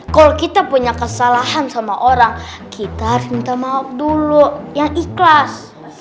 kalau kita punya kesalahan sama orang kita harus minta maaf dulu yang ikhlas